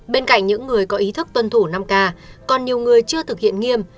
bên cạnh những người có ý thức tuân thủ năm k còn nhiều người chưa thực hiện nghiêm